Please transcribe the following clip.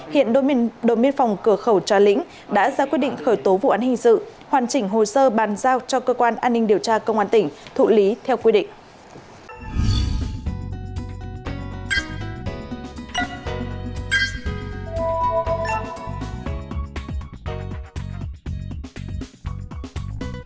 hiện đối miên phòng cửa khẩu cho lĩnh đã ra quyết định khởi tố vụ án hình sự hoàn chỉnh hồ sơ bàn giao cho cơ quan an ninh điều tra công an tỉnh thụ lý theo quy định